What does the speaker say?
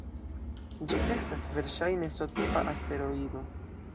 Ĝi estas verŝajne S-tipa asteroido.